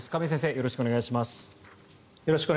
よろしくお願いします。